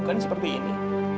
bukan seperti ini